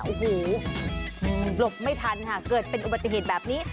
โอ้โหหลบไม่ทันค่ะเกิดเป็นอุบัติเหตุแบบนี้